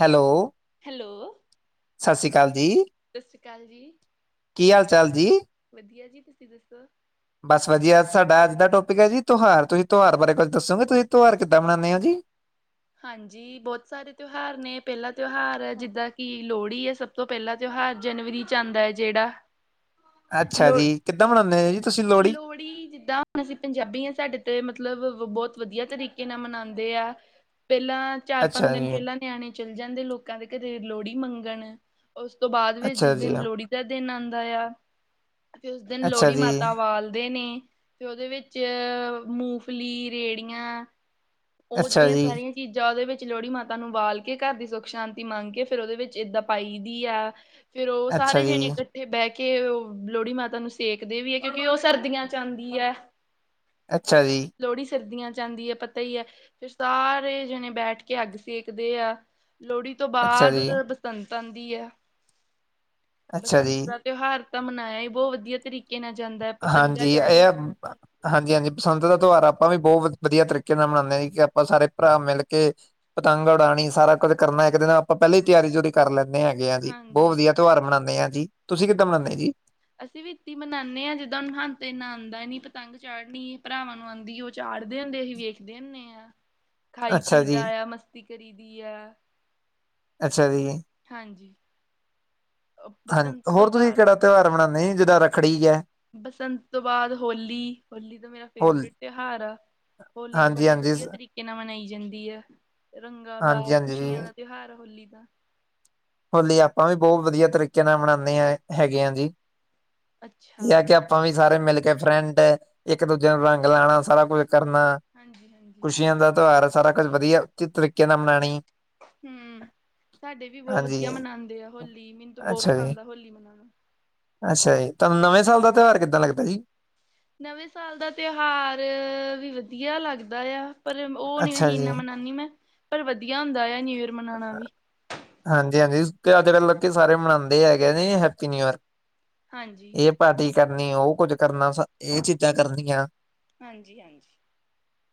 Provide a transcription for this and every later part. Hello. Hello, ਸ਼੍ਰੀ ਅਕਾਲ ਜੀ, ਸਤਿ ਸ਼੍ਰੀ ਅਕਾਲ ਜੀ। ਕੀ ਹਾਲ ਚਾਲ ਜੀ? ਵਧੀਆ ਜੀ ਤੁਸੀਂ ਦੱਸੋ? ਬਸ ਵਧਿਆ, ਸਾਡਾ ਅੱਜ ਦਾ ਟੋਪਿਕ ਹੈ ਜੀ ਤਉਹਾਰ। ਤੁਸੀਂ ਤਉਹਾਰ ਬਾਰੇ ਕੁੱਝ ਦੱਸੋਗੇ ਤੁਸੀਂ ਤਉਹਾਰ ਕਿੱਦਾਂ ਮਨਾਨੇ ਹੋ ਜੀ? ਹਾਂਜੀ। ਬਹੁਤ ਸਾਰੇ ਤਿਉਹਾਰ ਨੇ ਪਹਿਲਾ ਤਿਉਹਾਰ ਜਿੱਦਾਂ ਕਿ ਲੋਹੜੀ ਹੈ ਸਭ ਤੋਂ ਪਹਿਲਾਂ ਤਿਉਹਾਰ ਜਨਵਰੀ ਚ ਆਂਦਾ ਹੈ ਜਿਹੜਾ ਅੱਛਾ ਲੋ ਜੀ, ਕਿੱਦਾਂ ਮਨਾਦੇ ਆ ਜੀ ਤੁਸੀਂ ਲੋਹੜੀ? ਲੋਹੜੀ ਜਿੱਦਾਂ ਅਸੀਂ ਪੰਜਾਬੀ ਆ ਸਾਡੇ ਤੇ ਮਤਲਬ ਬਹੁਤ ਵਧੀਆ ਤਰੀਕੇ ਨਾਲ ਮਨਾਂਦੇ ਆ। ਪਹਿਲਾਂ ਚਾਰ, ਪੰਜ ਅੱਛਾ ਦਿਨ ਜੀ, ਪਹਿਲਾਂ ਨਿਆਣੇ ਚੱਲੇ ਜਾਂਦੇ ਲੋਕਾਂ ਦੇ ਘਰੇ ਲੋਹੜੀ ਮੰਗਣ। ਉਸਤੋਂ ਬਾਅਦ ਵੀ ਅੱਛਾ ਜਿਸ ਜੀ, ਦਿਨ ਲੋਹੜੀ ਦਾ ਦਿਨ ਆਂਦਾ ਆ ਅਸੀਂ ਉਸ ਦਿਨ ਅੱਛਾ ਲੋਹੜੀ ਜੀ, ਮਾਤਾ ਵਾਲਦੇ ਨੇ। ਤੇ ਉਹਦੇ ਵਿੱਚ ਮੂੰਗਫਲੀ, ਰੇੜੀਆਂ ਉਹ ਅੱਛਾ ਜਿਹੜੀਆਂ ਜੀ। ਸਾਰੀਆਂ ਚੀਜਾ ਉਹਦੇ ਵਿੱਚ ਲੋਹੜੀ ਮਾਤਾ ਨੂੰ ਬਾਲ ਕੇ, ਘਰ ਦੀ ਸੁੱਖ ਸ਼ਾਂਤੀ ਮੰਗ ਕੇ ਫੇਰ ਉਹਦੇ ਵਿੱਚ ਏਦਾਂ ਪਾਈ ਦੀ ਆ। ਫੇਰ ਉਹ ਅੱਛਾ ਸਾਰੇ ਜਣੇ ਜੀ, ਇਕੱਠ ਤੇ ਬਹਿ ਕੇ ਉਹ ਲੋਹੜੀ ਮਾਤਾ ਨੂੰ ਸੇਕਦੇ ਵੀ ਏ, ਕਿਉਂਕਿ ਉਹ ਸਰਦੀਆਂ ਚ ਆਉਂਦੀ ਐ। ਅੱਛਾ ਜੀ। ਲੋਹੜੀ ਸਰਦੀਆਂ ਚ ਆਂਦੀ ਏ ਪਤਾ ਈ ਏ। ਫਿਰ ਸਾਰੇ ਜਣੇ ਬੈਠ ਕੇ ਅੱਗ ਸੇਕਦੇ ਆ ਲੋਹੜੀ ਤੋਂ ਅੱਛਾ ਬਾਅਦ ਜੀ, ਬਸੰਤ ਆਂਦੀ ਹੈ, ਅੱਛਾ ਬਸੰਤ ਜੀ। ਦਾ ਤਿਉਹਾਰ ਤਾਂ ਮਨਾਇਆ ਈ ਬਹੁਤ ਵਧੀਆ ਤਰੀਕੇ ਕੇ ਨਾ ਜਾਂਦਾ ਐ ਪਤੰਗਾਂ ਚਾੜੀਆਂ ਜਾਂ ਹਾਂਜੀ-ਹਾਂਜੀ। ਬਸੰਤ ਦਾ ਤਿਉਹਾਰ ਆਪਾਂ ਵੀ ਬਹੁਤ ਵਦੀਆ ਤਰੀਕੇ ਨਾਲ ਮਨਾੰਦੇ ਆਂ, ਕਿ ਆਪਾਂ ਸਾਰੇ ਭਰਾ ਮਿਲ ਕੇ ਪਤੰਗ ਉਡਾਣੀ, ਸਾਰਾ ਕੁੱਝ ਕਰਨਾ, ਇੱਕ ਦਿਨ ਆਪਾਂ ਪਹਿਲਾਂ ਹੀ ਤਿਆਰੀ-ਤਿਓਰੀ ਕਰ ਲੈਂਦੇ ਹੈਗੇ ਆ ਜੀ, ਬਹੁਤ ਹਾਂਜੀ ਵਦੀਆ ਤਿਉਹਾਰ ਮਨਾੰਦੇ ਆ ਜੀ, ਤੁਸੀਂ ਕਿੱਦਾਂ ਮਨਾੰਦੇ ਜੀ ਅਸੀਂ ਵੀ ਇਤੀ ਮੰਨਾਨੇ ਹਾਂ ਜਿੱਦਾਂ ਉਹ ਹੂਨ ਹਾਨੂ ਤੇ ਏਨਾ ਆੰਦਾ ਨੀ ਪਤੰਗ ਚਾੜ੍ਹਨੀ ਭਰਾਵਾਂ ਨੂੰ ਆਉਂਦੀ ਉਹ ਚਾੜਦੇ ਹੁੰਦੇ ਅਸੀਂ ਵੇਖਦੇ ਹੁੰਨੇ ਆਂ [inaudible] ਖਾਈ ਜੀ ਪੀਦਾ ਆ ਮਸਤੀ ਕਰੀ ਦੀ ਆ ਅੱਛਾ ਜੀ। ਹਾਂਜੀ। ਬਸੰਤ ਹਾਂਜੀ ਤੋਂ ਹੋਰ ਤੁਸੀਂ ਬਾਅਦ ਕੇਹੜਾ ਤਿਉਹਾਰ ਮਨਾਨੇ ਜਿੱਦਾਂ ਰੱਖੜੀ ਈ ਆ ਬਸੰਤ ਤੋਂ ਬਾਅਦ ਹੋਲੀ, ਹੋਲੀ ਤਾ ਮੇਰਾ ਹੋਲੀ ਫੇਵਰੇਟ ਤਿਉਹਾਰ ਆ ਹਾਂਜੀ- ਹਾਂਜੀ। ਕਿਨਾ ਮਨਾਈ ਜਾਂਦੀ ਆ ਰੰਗਾਂ ਦਾ ਹਾਂਜੀ ਹਾਂਜੀ ਜੀ ਖ਼ੁਸ਼ੀਆਂ ਦਾ ਤਿਉਹਾਰ ਹੋਲੀ ਦਾ ਹੋਲੀ ਆਪਾਂ ਵੀ ਬਹੁਤ ਵਦੀਆ ਤਰੀਕੇ ਨਾਲ ਮਨਾਨੇ ਹਾਂ ਹੈਗੇ ਆ ਜੀ ਅੱਛਾ ਇਹ ਕਿ ਆਪਾਂ ਵੀ ਸਾਰੇ ਮਿਲ ਕੇ ਫਰੈਂਡ ਇੱਕ ਦੂਜੇ ਨੂੰ ਰੰਗ ਲਾਨਾ ਸਾਰਾ ਕੁਛ ਕਰਨਾ ਹਾਂਜੀ ਹਾਂਜੀ ਖੁਸ਼ੀਆਂ ਦਾ ਤਿਉਹਾਰ ਸਾਰਾ ਕੁਝ ਵਦੀਆ ਉੱਚ ਤਰੀਕੇ ਨਾਲ ਮਨਾਣੀ ਹੂਂ, ਸਾਡੇ ਵੀ ਬਹੁਤ ਹਾਂਜੀ ਵਦੀਆ ਮਨਾੰਦੇ ਆ ਹੋਲੀ ਮੈਨੂੰ ਤ ਬਹੁਤ ਅੱਛਾ ਜੀ ਪਸੰਦ ਆ ਹੋਲੀ ਮਨਾਣਾ ਅੱਛਾ ਜੀ। ਤੁਹਾਨੂੰ ਨਵੇਂ ਸਾਲ ਦਾ ਤਿਓਹਾਰ ਕਿੱਦਾਂ ਲੱਗਦਾ ਜੀ ਨਵੇਂ ਸਾਲ ਦਾ ਤਿਉਹਾਰ ਵੀ ਵਦੀਆ ਲੱਗਦਾ ਆ ਪਰ ਉਹ ਨੀ ਅੱਛਾ ਅਹੀ ਜੀ ਇੰਨਾ ਮਨਾਨੀ ਮੈਂ ਪਰ ਵਦੀਆ ਹੁੰਦਾ ਆ ਨਿਊ ਈਅਰ ਮਨਾਣਾ ਵੀ ਹਾਂਜੀ-ਹਾਂਜੀ ਤੇ ਆ ਜੇੜੇ ਲੋਕੀ ਸਾਰੇ ਮਨਾਉਂਦੇ ਹੈਗੇ ਨੇ ਹੈਪੀ ਨਿਊ ਈਅਰ ਹਾਂਜੀ। ਇਹ ਪਾਰਟੀ ਕਰਨੀ ਉਹ ਕੁੱਝ ਕਰਨਾ ਇਹ ਚੀਜ਼ਾਂ ਕਰਨੀਆਂ ਹਾਂਜੀ -ਹਾਂਜੀ।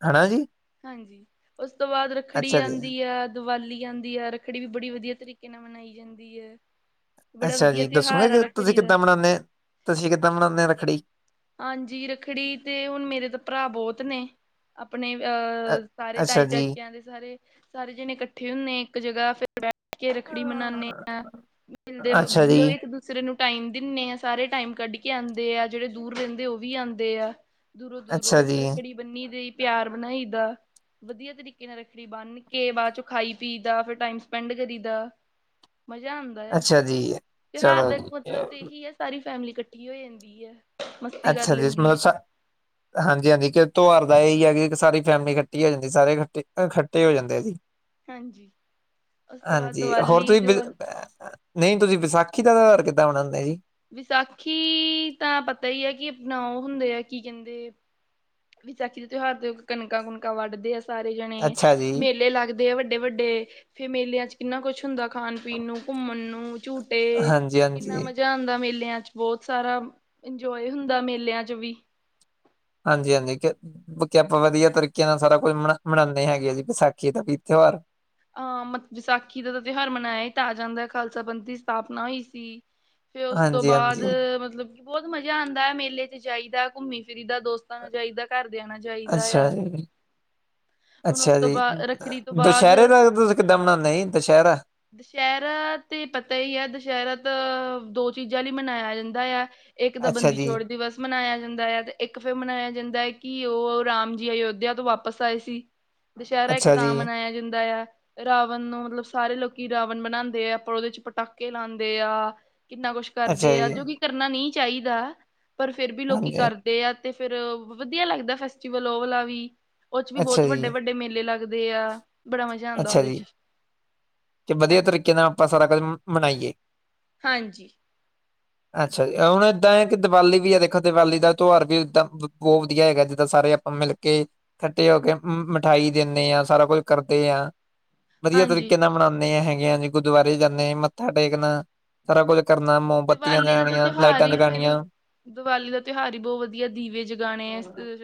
ਹੈਨਾ ਜੀ ਹਾਂਜੀ, ਉਸ ਤੋਂ ਬਾਅਦ ਰੱਖੜੀ ਅੱਛਾ ਜੀ ਆੰਦੀ ਆ ਦੀਵਾਲੀ ਆੰਦੀ ਆ, ਰੱਖੜੀ ਵੀ ਬੜੀ ਵਦੀਆ ਤਰੀਕੇ ਨਾਲ ਮਨਾਈ ਜਾਂਦੀ ਏ ਅੱਛਾ ਜੀ। ਦੱਸੋਗੇ ਕਿ ਤੁਸੀਂ ਦਾ ਕਿੱਦਾਂ ਮਨਾਨੇ ਤੁਸੀਂ ਕਿੱਦਾਂ ਮਨਾਨੇ ਆ ਰੱਖੜੀ ਹਾਂਜੀ, ਰੱਖੜੀ ਤੇ ਹੁਣ ਮੇਰੇ ਤਾਂ ਪਰਾ ਬਹੁਤ ਨੇ ਆਪਨੇ ਅ ਅਹ ਸਾਰੇ ਤਾਐ ਅੱਛਾ ਜੀ ਚਾਚਿਆਂ ਦੇ ਸਾਰੇ ਸਾਰੇ ਜਨੇ ਇਕੱਠੇ ਹੁੰਦੇ ਆ ਇੱਕ ਜਗ੍ਹਾ ਫਿਰ ਬੈਠ ਕੇ ਰੱਖੜੀ ਮੰਨਾਨੇ ਆ ਮਿਲਦੇ ਅੱਛਾ ਜੀ ਮਤਲਬ ਇੱਕ ਦੂਜੇ ਸ ਨੂੰ ਟਾਈਮ ਦਿੰਨੇ ਆ ਸਾਰੇ ਟਾਈਮ ਕੱਢ ਕੇ ਆਉਂਦੇ ਆ ਜਿਹੜੇ ਦੂਰ ਰਹਿੰਦੇ ਆ ਉਹ ਵੀ ਆੰਦੇ ਆ ਦੂਰੋਂ ਅੱਛਾ ਦੂਰੋਂ ਜੀ ਰੱਖੜੀ ਬੰਨੀ ਦੀ ਪਿਆਰ ਬਣਾਈ ਦਾ ਵਦੀਆ ਤਰੀਕੇ ਨਾਲ ਰੱਖੜੀ ਬੰਨ ਕੇ ਬਾਅਦ ਚ ਖਾਈ ਪੀਦਾ ਫਿਰ ਟਾੲਮ ਸਪੈਂਡ ਕਰੀ ਦਾ ਮਜ਼ਾ ਆਉਂਦਾ ਆ, ਅੱਛਾ ਜੀ ਤਿਉਹਾਰ ਦਾ ਚਲੋ ਇੱਕ ਮਤਲਬ ਤੇ ਇਹੀ ਆ ਸਾਰੀ ਫੈਮਲੀ ਇਕੱਠੀ ਹੋ ਜਾਂਦੀ ਐ ਅੱਛਾ ਜੀ ਹਾਂਜੀ ਹਾਂਜੀ ਕਿ ਤਿਓਹਾਰ ਦਾ ਇਹਹੀ ਹੈ ਕਿ ਸਾਰੀ ਫੈਮਿਲੀ ਖੱਟੀ ਹੋ ਜਾਂਦੀ ਸਾਰੇ ਖੱ ਖੱਠੇ ਹੋ ਜਾਂਦੇ ਜੀ ਹਾਂਜੀ ਉਸ ਤੋਂ ਬਾਅਦ ਹਾਂਜੀ ਹੋਰ ਦੀਵਾਲੀ ਤੁਸੀਂ ਦੀਵਾ ਨਹੀਂ ਤੁਸੀਂ ਵਿਸਾਖੀ ਦਾ ਤਿਓਹਾਰ ਕਿੱਦਾਂ ਮਣਾੰਦੇ ਜੀ ਵਿਸਾਖੀ ਤਾਂ ਪਤਾ ਈ ਐ ਕਿ ਅਪਨਾ ਉਹ ਹੁੰਦੇ ਆ ਕੀ ਕਹਿੰਦੇ ਵਿਸਾਖੀ ਦੇ ਤਿਉਹਾਰ ਤੇ ਕਣਕਾਂ-ਕੁੁਣਕਾਂ ਵੱਢਦੇ ਆ ਸਾਰੇ ਜਣੇ ਅੱਛਾ ਜੀ ਮੇਲੇ ਲੱਗਦੇ ਵੱਡੇ-ਵੱਡੇ ਫੇਰ ਮੇਲਿਆਂ ਚ ਕਿੰਨਾ ਕੁਛ ਹੁੰਦਾ ਖਾਣ-ਪੀਣ ਨੂੰ, ਘੁੰਮਣ ਨੂੰ, ਝੂਟੇ ਹਾਂਜੀ ਕਿੰਨਾ ਹਾਂਜੀ ਮਜ਼ਾ ਆਂਦਾ ਮੇਲਿਆਂ'ਚ। ਬਹੁਤ ਸਾਰਾ ਇੰਜੋਏ ਹੁੰਦਾ, ਮੇਲਿਆਂ'ਚ ਵੀ। ਹਾਂਜੀ-ਹਾਂਜੀ। ਆਪਾਂ ਵਧੀਆ ਤਰੀਕੇ ਨਾਲ ਸਾਰਾ ਕੁਝ ਮਨਾ, ਮਨਾਨੇ ਹੈਗੇ ਆਂ, ਜੀ ਵਿਸਾਖੀ ਦਾ ਵੀ ਤਿਉਹਾਰ। ਅਹ ਮ ਵਿਸਾਖੀ ਦਾ ਤਾਂ ਤਿਉਹਾਰ ਮਨਾਇਆ ਹੀ ਤਾਂ ਜਾਂਦਾ ਏ, ਖਾਲਸਾ ਪੰਥ ਦੀ ਸਥਾਪਨਾ ਹੋਈ ਸੀ। ਫਿਰ ਉਸ ਤੋਂ ਹਾਂਜੀ ਬਾਅਦ, ਹਾਂਜੀ ਮਤਲਬ ਕਿ ਬਹੁਤ ਮਜ਼ਾ ਆਂਦਾ ਏ, ਮੇਲੇ'ਚ ਜਾਈਦਾ ਘੁੰਮੀ-ਫਿਰੀ ਦਾ ਦੋਸਤ ਨੂੰ ਜਾਈਦਾ, ਘਰਦਿਆਂ ਨਾਲ ਜਾਈਦਾ ਅੱਛਾ ਯਾ। ਜੀ ਅੱਛਾ ਜੀ, ਰੱਖੜੀ ਤੋਂ ਦਸ਼ਹਿਰੇ ਬਾਅਦ ਦਾ ਤੁਸੀਂ ਕਿੱਦਾਂ ਮਨਾਂਨੇ ਜੀ, ਦਸ਼ਹਿਰਾ? ਦਸ਼ਹਿਰਾ ਤੇ ਪਤਾ ਈ ਆ, ਦਸ਼ਹਿਰਾ ਤਾਂ ਦੋ ਚੀਜ਼ਾਂ ਲਈ ਮਨਾਇਆ ਜਾਂਦਾ ਯਾ। ਇੱਕ ਤਾਂ ਅੱਛਾ ਬੰਦੀ ਜੀ ਛੋੜ ਦਿਵਸ ਮਨਾਇਆ ਜਾਂਦਾ ਯਾ, ਤੇ ਇੱਕ ਫਿਰ ਮਨਾਇਆ ਜਾਂਦਾ ਏ, ਕਿ ਉਹ ਰਾਮ ਜੀ ਅਯੋਧਿਆ ਤੋਂ ਵਾਪਿਸ ਆਏ ਸੀ। ਦਸ਼ਹਿਰਾ ਇੱਕ ਅੱਛਾ ਜੀ ਤਾਂ ਮਨਾਇਆ ਜਾਂਦਾ ਯਾ। ਰਾਵਣ ਨੂੰ ਮਤਲਬ ਸਾਰੇ ਲੋਕੀ ਰਾਵਣ ਬਣਾਂਦੇ ਆ, ਪਰ ਉਹਦੇ'ਚ ਪਟਾਕੇ ਲਾਂਦੇ ਆ। ਕਿੰਨਾ ਕੁਛ ਅੱਛਾ ਕਰਦੇ ਆ, ਜੀ ਜੋ ਕਿ ਕਰਨਾ ਨਹੀਂ ਚਾਹੀਦਾ ਪਰ ਫਿਰ ਵੀ ਲੋਕੀ ਹਾਂਜੀ ਕਰ ਆ ਤੇ ਫਿਰ ਵਧੀਆ ਲੱਗਦਾ ਫੈਸਟੀਵਲ ਉਹ ਵਾਲਾ ਵੀ, ਉਹ'ਚ ਵੀ ਅੱਛਾ ਬਹੁਤ ਜੀ ਵੱਡੇ-ਵੱਡੇ ਮੇਲੇ ਲੱਗ ਲੱਗਦੇ ਆ, ਬੜਾ ਮਜ਼ਾ ਆਉਂਦਾ ਅੱਛਾ ਉਹਦੇ ਜੀ, ਚ ਤੇ ਵਧੀਆ ਹਾਂਜੀ ਤਰੀਕੇ ਨਾਲ ਆਪਾਂ ਸਾਰਾ ਕੁਝ ਮਨਾਈਏ। ਹਾਂਜੀ। ਅੱਛਾ ਜੀ, ਹੁਣ ਏਦਾਂ ਏ ਕਿ ਦੀਵਾਲੀ ਵੀ ਆ ਦੇਖੋ ਦੀਵਾਲੀ ਦਾ ਤਿਉਹਾਰ ਵੀ ਏਦਾਂ ਬਹੁਤ ਵਧੀਆ ਹੈਗਾ, ਜਿੱਦਾਂ ਸਾਰੇ ਆਪ ਮਿਲਕੇ ਕੱਠੇ ਹੋਕੇ ਮਿਠਾਈ ਦਿੰਨੇ ਆ, ਸਾਰਾ ਕੁੱਛ ਕਰ ਤੇ ਆਂ, ਵਧੀਆ ਹਾਂਜੀ ਤਰੀਕੇ ਨਾਲ ਮਨਾਂਉਣੇ ਹੈਗੇ ਆ ਜੇ ਗੁਰਦੁਆਰੇ ਜਾਂਨੇੇ, ਮੱਥਾ ਟੇਕਣਾ ਸਾਰਾ ਕੁੱਝ ਕਰਨਾ ਮੋ ਬੱਤੀਆਂ ਦੀਵਾਲੀ ਦਾ ਤਾਂ ਜਗਾਣੀਆ, ਤਿਉਹਾਰ ਲਾਈਟਾਂ ਹੀ ਫਿਰ ਜਗਾਣੀਆਂ। ਦੀਵਾਲੀ ਦਾ ਤਿਉਹਾਰ ਈ ਬਹੁਤ ਵਧੀਆ, ਦੀਵੇ ਜਗਾਣੇ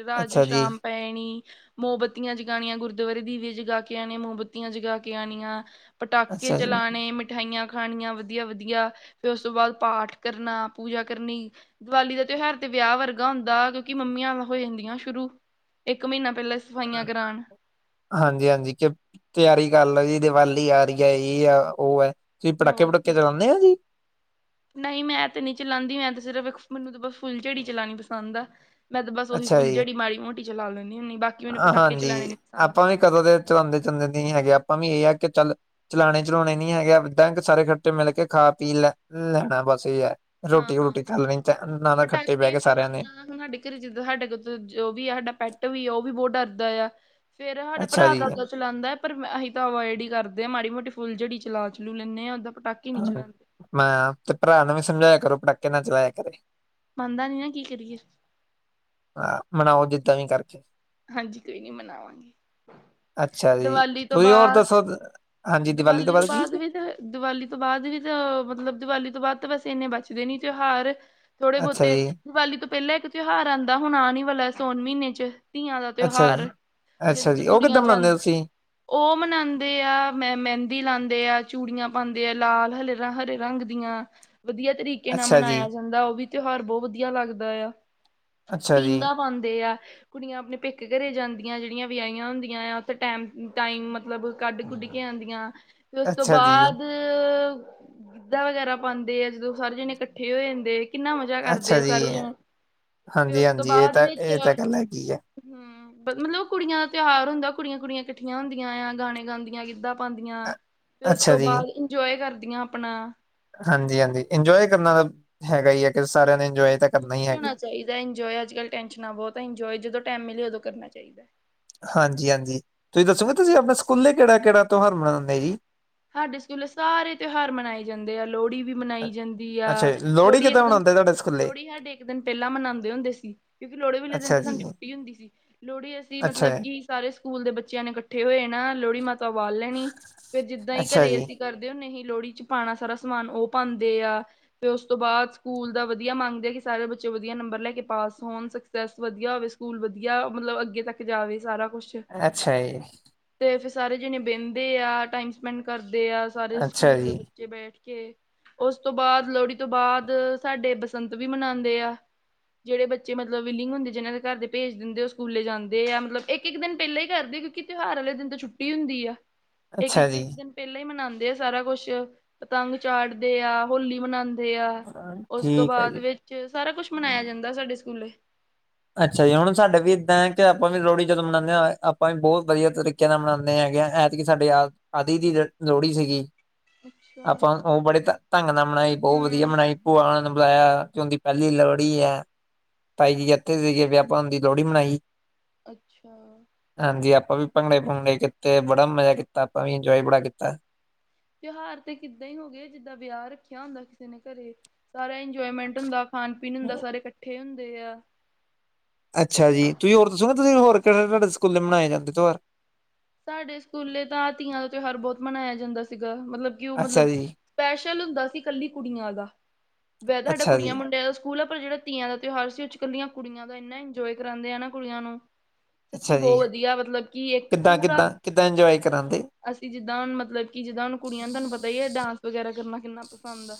ਰਾਜੋ ਅੱਛਾ ਜੀ ਸ਼ਾਮ ਪੈਣੀ ਮੋਮਬੱਤੀਆਂ ਜਗਾਣੀਆਂ ਗੁਰਦੁਆਰੇ ਦੀਵੇ ਜਗਾਕੇ ਆਣੇ, ਮੋਮਬੱਤੀਆਂ ਜਗਾਕੇ ਆਣੀਆਂ। ਪਟਾਕੇ ਅੱਛਾ ਜੀ ਚਲਾਣੇ, ਮਿਠਾਈਆਂ ਖਾਣੀਆਂ ਵਧੀਆ-ਵਧੀਆ ਫਿਰ ਉਸ ਤੋਂ ਬਾਅਦ ਪਾਠ ਕਰਨਾ, ਪੂਜਾ ਕਰਨੀ। ਦੀਵਾਲੀ ਦਾ ਤਿਉਹਾਰ ਤੇ ਵਿਆਹ ਵਰਗਾ ਹੁੰਦਾ, ਕਿਉਂਕਿ ਮੰਮੀਆਂ ਹੋ ਜਾਂਦੀਆਂ ਸ਼ੁਰੂ। ਇਕ ਮਹੀਨਾ ਪਹਿਲਾਂ ਸਫਾਈਆਂ ਕਰਾਣ ਹਾਂਜੀ-ਹਾਂਜੀ, ਕਿ ਤਿਆਰੀ ਕਰਲੋ ਜੀ, ਦੀਵਾਲੀ ਆ ਰਹੀ ਐ, ਇਹ ਆ ਉਹ ਐ। ਤੁਸੀਂ ਹੋਰ ਪੜਾਕੇ-ਪੁੜਾਕੇ ਕੀ ਚਲਾਂਦੇ ਓ ਜੀ? ਨਹੀਂ ਮੈਂ ਤੇ ਨਹੀਂ ਚਲਾਂਦੀ, ਮੈਂ ਤੇ ਸਿਰਫ਼ ਮੈਨੂੰ ਤਾਂ ਬਸ ਫੁੱਲਝੜੀ ਚਲਾਣੀ ਪਸੰਦ ਆ। ਮੈਂ ਤਾਂ ਬਸ ਉਹੀ ਅੱਛਾ ਫੁੱਲ ਜੀ ਜੜੀ ਮਾੜੀ-ਮੋਟੀ ਚਲਾ ਲੈਂਨੀ ਹੁੰਨੀ, ਬਾਕੀ ਮੈਨੂੰ ਪਟਾਕੇ ਚਲਾਣੇ ਹਾਂਜੀ ਨੀ ਪਸੰਦ। ਆਪਾਂ ਵੀ ਕਦੋਂ ਦੇ ਚਲਾਂਦੇ-ਚੁਲਾਂਦੇ ਨਹੀਂ ਹੈਗੇ, ਆਪਾਂ ਵੀ ਇਹ ਆ ਕਿ ਚੱਲ ਚਲਾਣੇ-ਚਲਾਉਣੇ ਨੀ ਹੈਗੇ, ਏਦਾਂ ਕਿ ਸਾਰੇ ਕੱਠੇ ਮਿਲਕੇ ਖਾ-ਪੀ ਲੈ, ਲੈਣਾ ਬਸ ਏ ਆ। ਹਾਂ ਰੋਟੀ-ਰੁਟੀ ਖਾ ਲਣੀ, ਨਾ ਨਾਲ ਖੱਟੇ ਬਹਿਕੇ ਸਾਰਿਆਂ ਨੇ। ਘ ਜਿੱਦਾਂ ਹਾਡੇ ਕੋ ਜੋ ਵੀ ਆ, ਹਾਡਾ ਪੈਟ ਵੀ ਆ, ਉਹ ਵੀ ਬਹੁਤ ਡਰਦਾ ਯਾ। ਫੇਰ ਹਾਡਾ ਅੱਛਾ ਭਰਾ ਜੀ ਦਾਦਾ ਚਲਾਂਦਾ ਪਰ ਅਹੀ ਤਾਂ ਅਵੌਇਡ ਈ ਕਰਦੇ ਆਂ, ਮਾੜੀ-ਮ੍ਹੋਟੀ ਫੁੱਲ ਜੜੀ ਚਲਾ-ਚਲੂ ਲੈਂਨੇ ਆ ਹਾਂ, ਮੈਂ ਤੇ ਭਰਾ ਨੂੰ ਵੀ ਸਮਝਾਇਆ ਕਰੋ ਪੜਾਕੇ ਨਾ ਚਲਾਇਆ ਕਰੇ। ਮੰਨਦਾ ਨੀ ਨਾ, ਕੀ ਕਰੀਏ? ਆਹ, ਮਨਾਓ ਜਿੱਦਾਂ ਵੀ ਕਰਕੇ। ਹਾਂਜੀ, ਕੋਈ ਨੀ ਮਨਾਵਾਂਗੇ। ਅੱਛਾ ਜੀ ਦਵਾਲੀ ਤੋਂ ਤੁਸੀਂ ਹੋਰ ਬਾਦ, ਦੱਸੋ ਹਾਂਜੀ ਦੀਵਾਲੀ ਤੋਂ ਤੋ ਬਾਅਦ ਕੀ ਬਾਦ ਸੀ? ਵੀ ਤੇ ਦੀਵਾਲੀ ਤੋਂ ਬਾਅਦ ਵੀ ਤਾਂ ਮਤਲਬ, ਦੀਵਾਲੀ ਤੋਂ ਬਾਅਦ ਤਾਂ ਬਸ ਇੰਨੇ ਬਚਦੇ ਨੀ ਤਿਉਹਾਰ ਥੋੜੇ ਅੱਛਾ ਬਹੁਤੇ, ਜੀ ਦੀਵਾਲੀ ਤੋਂ ਪਹਿਲਾਂ ਇੱਕ ਤਿਉਹਾਰ ਆਉਂਦਾ ਹੁਣਾ ਆ। ਨੀ ਵਾਲਾ ਸੋਨ ਮੀਨੇ ਚ ਧੀਆਂ ਦਾ ਅੱਛਾ ਜੀ ਤਿਉਹਾਰ, ਜਿਹਦੇ, ਅੱਛਾ ਚ ਜੀ ਉਹ ਕੁੜੀਆਂ ਕਿੱਦਾਂ ਮਨਾਉਂਦੇ ਹੋ ਜਾਂਦੀਆਂ। ਤੁਸੀਂ ਉਹ ਮਨਾਂਦੇ ਆ। ਮੈਂ ਮਹਿੰਦੀ ਲਾਂਦੇ ਆ, ਚੂੜੀਆਂ ਪਾਉਂਦੇ ਆ, ਲਾਲ -ਹਰੇ ਹਰੇ ਰੰਗ ਦੀਆਂ ਵਧੀਆ ਤਰੀਕੇ ਨਾਲ ਅੱਛਾ ਜੀ ਮਨਾਇਆ ਜਾਂਦਾ। ਉਹ ਵੀ ਤਿਉਹਾਰ ਬਹੁਤ ਵਧੀਆ ਲੱਗਦਾ ਆ। ਅੱਛਾ ਜੀ ਪੀਂਘਾ ਪਾਦੇ ਆ। ਕੁੜੀਆਂ ਆਪਣੇ ਪੇਕੇ ਘਰੇ ਜਾਂਦੀਆਂ। ਜਿਹੜੀਆਂ ਵਿਆਹੀਆਂ ਹੁੰਦੀਆਂ। ਉੱਥੇ ਟਮ ਟਾਈਮ ਮਤਲਬ ਕੱਢ ਗ ਕੁੱਢ ਆਂਦੀਆਂ ਤੇ ਉਸ ਤੋਂ ਅੱਛਾ ਜੀ ਬਾਅਦ ਗਿੱਧਾ ਵਗੈਰਾ ਪਾਉਂਦੇ ਆ। ਜਦੋਂ ਸਾਰੇ ਜਣੇ ਇਕੱਠੇ ਹੋ ਜਾਂਦੇ ਕਿੰਨਾ ਮਜ਼ਾ ਕਰਦੇ ਅੱਛਾ ਆ। ਸਾਰੇ ਜੀ ਜਾਣ ਫ ਉਸ ਤੋਂ ਬਾਅਦ ਵਿੱਚ ਵਧੀਆ। ਹੂੰ ਮਤਲਬ ੳ ਕੁੜੀਆਂ ਦਾ ਤਿਉਹਾਰ ਹੁੰਦਾ। ਕੁੜੀਆਂ-ਕੁੜੀਆਂ ਇਕੱਠੀਆਂ ਹੁੰਦੀਆਂ ਆ। ਗਾਣੇ ਗਾਂਦੀਆਂ, ਗਿੱਧਾ ਪਾਉਂਦੀਆਂ। ਫਿਰ ਉਸ ਅੱਛਾ ਤੋਂ ਜੀ, ਬਾਦ ਇੰਜੋਏ ਕਰਦੀਆਂ ਆਪਨਾ ਹਾਂਜੀ-ਹਾਂਜੀ, ਇੰਜੋਏ ਕਰਨਾ ਦਾ ਹੈਗਾ ਈ ਹੈ। ਕਿ ਸਾਰਿਆਂ ਨੇ ਇੰਜੋਏ ਤਾਂ ਕਰਨਾ ਹੀ ਚ ਹੈਗਾ। ਹੋਣਾ ਚਾਹੀਦਾ ਇੰਜੋਏ, ਅੱਜ ਕੱਲ ਟੈਸ਼ਨਾਂ ਬਹੁਤ ਹੈ। ਇੰਜੋਏ ਜਦੋਂ ਟੈਮ ਮਿਲੇ ਉਦੋਂ ਕਰਨਾ ਚਾਹੀਦਾ। ਹਾਂਜੀ-ਹਾਂਜੀ, ਤੁਸੀਂ ਦੱਸੋਗੇ। ਤੁਸੀਂ ਆਪਣੇ ਸਕੂਲੇ ਕਿਹੜਾ-ਕਿਹੜਾ ਤਿਉਹਾਰ ਮਨਾਉਂਦੇ ਹੀ। ਸਾਡੇ ਸਕੂਲੇ ਸਾਰੇ ਤਿਉਹਾਰ ਮਨਾਏ ਜਾਂਦੇ ਆ ਲੋਹੜੀ ਵੀ ਮਨਾਈ ਜਾਂਦੀ ਆ। ਅੱਛਾ ਜੀ ਲੋਹੜੀ ਇੱਕ ਕਿੱਦਾਂ ਦਿਨ ਮਨਾਉਂਦੇ ਤੁਹਾਡੇ ਸਕੂਲੇ? ਲੋਹੜੀ ਸਾਡੇ ਇੱਕ ਦਿਨ ਪਹਿਲਾਂ ਮਨਾਉਂਦੇ ਹੁੰਦੇ ਸੀ। ਕਿਉਂਕਿ ਲੋਹੜੀ ਵਾਲੇ ਦਿਨ ਅੱਛਾ ਤੇ ਜੀ, ਸਾਨੂੰ ਛੁੱਟੀ ਹੁੰਦੀ ਸੀ। ਲੋਹੜੀ ਅਸੀਂ ਅੱਛਾ, ਮਤਲਬ ਕਿ ਸਾਰੇ ਸਕੂਲ ਦੇ ਬੱਚਿਆਂ ਨੇ ਇਕੱਠੇ ਹੋਏ ਨਾ। ਲੋਹੜੀ ਮਾਤਾ ਵਾਲ ਲੈਨੀ ਫੇਰ ਜਿੱਦਾਂ ਹੀ ਅੱਛਾ ਘਰੇ, ਜੀ, ਅਸੀਂ ਕਰਦੇ ਹੁੰਦੇ ਸੀ। ਲੋਹੜੀ ਚ, ਪਾਉਣਾ ਸਾਰਾ ਸਮਾਨ ਉਹ ਪਾਂਦੇ ਆ। ਤੇ ਉਸ ਤੋਂ ਬਾਅਦ ਸਕੂਲ ਦਾ ਵਧੀਆ ਮੰਗਦੇ, ਕਿ ਸਾਰੇ ਬੱਚੇ ਵਧੀਆ ਨੰਬਰ ਲੈ ਕੇ ਪਾਸ ਹੋਣ। ਤੇ ਵਧੀਆ ਹੋਵੇ, ਸਕੂਲ ਵਧੀਆ ਮਤਲਬ ਅੱਗੇ ਤੱਕ ਜਾਵੇ। ਸਾਰਾ ਕੁਛ ਅੱਛਾ ਜੀ ਤੇ ਫਿਰ ਸਾਰੇ ਜਣੇ ਵਹਿੰਦੇ ਆ। ਟਾਈਮ ਸਪੈਂਡ ਕਰਦੇ ਆ। ਸਾਰੇ ਅੱਛਾ ਸਕੂਲ ਦੇ ਜੀ, ਬੇ ਬੈਠ ਕੇ, ਉਸ ਤੋਂ ਬਾਅਦ ਲੋਹੜੀ ਤੋਂ ਬਾਅਦ ਸਾਡੇ ਬਸੰਤ ਵੀ ਮਨਾਂਦੇ ਆ। ਜਹੜੇ ਬੱਚੇ ਮਤਲਬ ਵਿਲਿੰਗ ਹੁੰ ਜਹ ਦੇ ਘਰ ਭੇਜਦੇ। ਉਹ ਸਕੂਲੇ ਜਾਂਦੇ ਆ। ਮਤਲਬ ਇੱਕ-ਇੱਕ ਦਿਨ ਪਹਿਲਾਂ ਹੀ ਕਰਦੇ। ਕਿਉਂਕਿ ਤਿਉਹਾਰ ਵਾਲੇ ਦਿਨ ਤੋਂ ਛੁੱਟੀ ਹੁੰਦੀ ਆ। ਇੱਕ ਅੱਛਾ -ਇੱਕ ਜੀ। ਇੱਕ ਦਿਨ ਪਹਿਲਾਂ ਹੀ ਮਨਾਉਂਦੇ ਆ। ਸਾਰਾ ਕੁੱਛ, ਪਤੰਗ ਚਾੜਦੇ ਆ। ਹੋਲੀ ਮਨਾਉਂਦੇ ਤੇ ਆ ਉਸ ਤੋਂ ਠੀਕ ਹੈ ਬਾਅਦ ਜੀ, ਵਿੱਚ ਸਾਰਾ ਕੁਛ ਮਨਾਇਆ ਜਾਂਦਾ। ਸਾਡੇ ਸਕੂਲੇ ਅੱਛਾ ਜੀ, ਹੁਣ ਸਾਡੇ ਵੀ ਇੱਦਾਂ ਹੈ। ਕਿ ਆਪਾਂ ਵੀ ਲੋਹੜੀ ਜਦੋਂ ਮਨਾਉਦੇ ਹਾਂ। ਆਪਾਂ ਵੀ ਬੋਤ ਵਧੀਆ ਤਰੀਕੇ ਕਿਆਂ ਦਾ ਮਨਾਉਂਦੇ ਹੈਗੇ। ਐਤਕੀ ਸਾਡੇ ਆ ਆਦਿ ਦੀ ਲੋ ਲੋਹੜੀ ਸੀਗੀ। ਅੱਛਾ ਆਪਾਂ ਉਹ ਬੜੇ ਢੰਗ ਨਾਲ ਮਨਾਈ। ਬਹੁਤ ਵਧੀਆ ਹਮ ਬਣਾਈ ਭੂਆ ਹੁਣਾ ਨੂੰ ਬੁਲਾਇਆ ਤੇ ਉਹਦੀ ਪਹਿਲੀ ਲੋਹੜੀ ਆ। ਤਾਈ ਜ ਇੱਥੇ ਸੀਗੇ ਵੀ ਆਪਾਂ ਹ ਦੀ ਲੋਹੜੀ ਮਨਾਈ ਅੱਛਾ ਹਾਂਜੀ ਆਪਾਂ ਵੀ ਭੰਗੜੇ-ਭੰਗੜੇ ਕੀਤੇ। ਬੜਾ ਮਜਾ ਕੀਤਾ। ਆਪਾਂ ਵੀ ਇੰਜੋਏ ਬੜਾ ਕੀਤਾ। ਤਿਉਹਾਰ ਤੇ ਕਿੱਦਾਂ ਹੀ ਹੋ ਗਏ। ਜਿੱਦਾਂ ਵਿਆਹ ਰੱਖਿਆ ਹੁੰਦਾ। ਕਿਸੇ ਨੇ ਕਰੇ ਸਾਰਾ ਇੰਜੋਏਮੈਂਟ ਹੁੰਦਾ। ਖਾਣ- ਪੀਣ ਹੁੰਦਾ। ਸਾਰੇ ਇਕੱਠੇ ਹੁੰਦੇ ਆ ਅੱਛਾ ਜੀ, ਤੁਸੀਂ ਹੋਰ ਦੱਸੋ ਨਾ। ਤੁਸੀਂ ਹੋਰ ਕਿਹੜੇ -ਕਿਹੜੇ ਤੁਹਾਡੇ ਸਕੂਲੇ ਮਨਾਏ ਜਾਂਦੇ। ਤਿਉਹਾਰ ਸਾਡੇ ਸਕੂਲੇ ਤਾਂ ਤੀਆਂ ਦਾ ਤਿਉਹਾਰ ਬਹੁਤ ਮਨਾਇਆ ਜਾਂਦਾ ਸੀਗਾ। ਮਤਲੱਬ ਕਿ ਉਹ ਅੱਛਾ ਮਤਲੱਬ ਜੀ ਸਪੈਸ਼ਲ ਹੁੰਦਾ ਸੀ। ਇਕੱਲੀ ਕੁੜੀਆਂ ਦਾ, ਵੈਸੇ ਤਾਂ ਸਾਡਾ ਅੱਛਾ ਜੀ ਕੁੜੀਆਂ ਮੁੰਡਿਆਂ ਦਾ ਸਕੂਲ ਆ ਪਰ ਜਿਹੜਾ ਤੀਆਂ ਦਾ ਤਿਉਹਾਰ ਸੀ। ਉਹੱਦੇ ਚੱ ਕਲੀਆਂ ਕੁੜੀਆਂ ਦਾ ਇੰਨਾ ਇੰਜੋਏ ਕਰਾਉਂਦੇ ਨਾ ਕੁੜੀਆਂ ਨੂੰ। ਸੱਚੀ, ਬਹੁਤ ਵਧੀਆ। ਮਤਲੱਬ ਕੀ ਇੱਕ ਪੂਰਾ ਕਿੱਦਾਂ-ਕਿੱਦਾਂ, ਕਿੱਦਾਂ ਇੰਜੋਏ ਕਰਾਂਂਦੇ। ਅਸੀਂ ਜਿੱਦਾਂ ਹੁਣ ਮਤਲੱਬ ਕੀ ਜਿੱਦਾਂ ਹੁਣ ਕੁੜੀਆਂ ਨੇ ਤਾਨੂੰ ਪਤਾ ਈ ਐ, ਡਾਂਸ ਵਗੈਰਾ ਕਰਨਾ ਕਿੰਨਾ ਪਸੰਦ ਐ।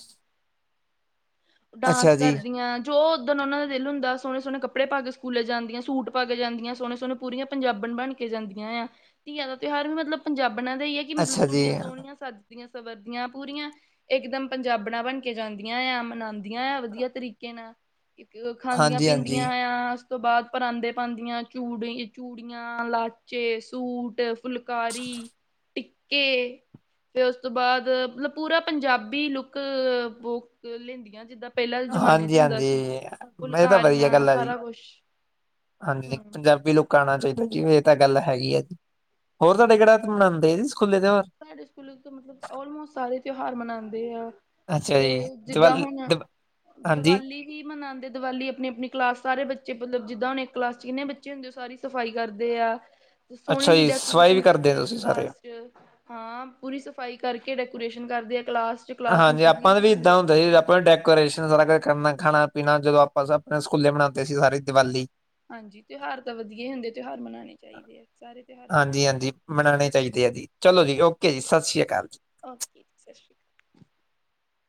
ਡਾਂਸ ਅੱਛਾ ਜੀ ਕਰਦੀਆਂ ਜੋ ਓਦਣ ਓਨਾਂ ਦਾ ਦਿਲ ਹੁੰਦਾ, ਸੋਣੇ-ਸੋਣੇ ਕੱਪੜੇ ਪਾ ਕੇ ਸਕੂਲੇ ਜਾਂਦੀਆਂ। ਸੂਟ ਪਾ ਕੇ ਜਾਂਦੀਆਂ, ਸੋਣੇ ਸੋਣੇ। ਪੂਰੀਆਂ ਪੰਜਾਬਣ ਬਣ ਕੇ ਜਾਂਦੀਆਂ ਆਂ। ਤੀਆਂ ਦਾ ਤਿਉਹਾਰ ਵੀ ਮਤਲੱਬ ਪੰਜਾਬਣਾਂ ਦਾ ਈ ਐ ਕਿ ਮਤਲੱਬ ਅੱਛਾ ਜੀ ਕੁੜੀਆਂ ਸੋਣੀਆਂ ਸਜਦੀਆਂ ਸਵਰਦੀਆਂ ਪੂਰੀਆਂ। ਇਕ ਦਮ ਪੰਜਾਬਣਾ ਬਣ ਕੇ ਜਾਂਦੀਆਂ ਆ, ਮਨਾਂਦੀਆਂ ਆਂ, ਵਧੀਆ ਤਰੀਕੇ ਨਾਲ। ਇੱਕ ਖਾਂਦੀ ਹਾਂਜੀ ਹਾਂਜੀ ਪੀਂਦੀਆਂ ਆ ਉਸ ਤੋਂ ਬਾਅਦ ਪਰਾਂਂਦੇ ਪਾਂਦੀਆਂ, ਚੂੜੀ ਚੂੜੀਆਂ ਲਾਚੇ ਸ ਸੂਟ, ਫੁਲਕਾਰੀ, ਟਿੱਕੇ ਫਿਰ ਉਸ ਤੋਂ ਬਾਅਦ ਮਤਲੱਬ ਪੂਰਾ ਪੰਜਾਬੀ ਲੁੱਕ ਬੁੱਕ ਲੈਂਦੀਆਂ ਜਿੱਦਾ ਪੈਲਾਂ ਦੇ ਜ਼ਮਾਨੇ ਚ ਹਾਂਜੀ ਹੁੰਦਾ ਹਾਂਜੀ ਸੀ, ਇਹ ਤਾਂ ਵਧੀਆ ਫੁਲਕਾਰੀਆਂ ਗੱਲ ਆ ਜੀ ਸਾਰਾ ਕੁੱਛ। ਫਿ ਹਾਂਜੀ, ਪੰਜਾਬੀ ਲੁੱਕ ਗਾਣਾ ਚਾਈਦਾ ਜੀ, ਐ ਤਾਂ ਗੱਲ ਹੈਗੀ ਆ ਜੀ, ਹੋਰ ਤਾਡੇ ਕੇੜਾ ਮਨਾਂਦੇ ਆ ਜੀ ਸਕੂਲੇ ਤਿਉਆਰ। ਸਾਡੇ ਸਕੂਲੇ ਤੇ ਮਤਲੱਬ ਆਲਮੋਸਟ ਸਾਰੇ ਤਿਉਹਾਰ ਮਨਾਂਦੇ ਆ। ਅੱਛਾ ਤੇ ਜੀ ਜਿੱਦਾਂ ਦੀਵਾਲੀ ਹੁਣ, ਦ ਹਾਂਜੀ ਦਵਾਲੀ ਕੀ ਮਨਾਂਦੇ ਦੀਵਾਲੀ ਆਪਣੀ-ਆਪਣੀ ਕਲਾਸ ਸਾਰੇ ਬੱਚੇ ਮਤਲੱਬ ਜਿੱਦਾਂ ਹੁਣ ਇੱਕ ਕਲਾਸ ਚ ਕਿੰਨੇ ਬੱਚੇ ਹੁੰਦੇ ਓ ਸਾਰੀ ਸਫ਼ਾਈ ਕਰਦੇ ਆ। ਤੇ ਅੱਛਾ ਸੋਹਣੀ ਜਿਹੀ ਜੀ, ਸਫਾਈ ਵੀ ਡੈਕੋਰੇਸ਼ਨ ਕਰਦੇ ਆ ਤੁਸੀਂ ਸਾਰੇ। ਕਲਾਸ ਚ ਹਾਂ, ਪੂਰੀ ਸਫ਼ਾਈ ਕਰਕੇ ਡੈਕੋਰੇਸ਼ਨ ਕਰਦੇ ਆ। ਕਲਾਸ ਚ ਕਲਾਸ ਨੂੰ ਹਾਂਜੀ ਸੋਹਣੀ ਆਪਾਂ ਦਾ ਵੀ ਬਣਾਉਂਦੇ ਇਦਾਂ ਆ ਹੁੰਦਾ ਹੀ। ਸਜਾਉਂਦੇ ਆ। ਆਪਾਂ ਨਾਂ ਡੈਕ ਡੈਕੋਰੇਸ਼ਨ ਸਾਰਾ ਕੁੱਛ ਕਰਨਾ, ਖਾਣਾ-ਪੀਣਾ ਜਦੋਂ ਆਪਾਂ ਸਭ ਆਪਣੇ ਸਕੂਲੇ ਮਨਾਉਂਦੇ ਸੀ, ਸਾਰੇ ਦੀਵਾਲੀ। ਹਾਂਜੀ, ਤਿਉਹਾਰ ਤੇ ਵਧੀਆ ਈ ਹੁੰਦੇ, ਤਿਉਹਾਰ ਮਨਾਉਣੇ ਚਾਈਦੇ ਆ, ਸਾਰੇ ਤਿਉਹਾਰ ਵਧੀਆ। ਮਨਾਂਣੇ ਚਾਈਦੇ ਆ ਜੀ, ਚਲੋ ਜੀ ਓਕੇ ਜੀ, ਸਤਿ ਸ੍ਰੀ ਅਕਾਲ। ਓਕੇ, ਸਤਿ ਸ਼੍ਰੀ ਅ।